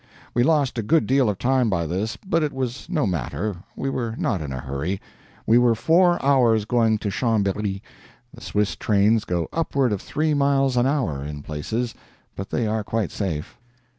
We lost a good deal of time by this, but it was no matter, we were not in a hurry. We were four hours going to Chamb`ery. The Swiss trains go upward of three miles an hour, in places, but they are quite safe.